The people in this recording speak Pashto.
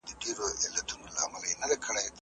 هغه وویل چي ژوندپوهنه د ذهن د پراخولو وسيله ده.